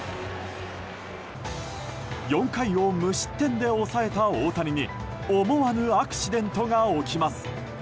４回を無失点で抑えた大谷に思わぬアクシデントが起きます。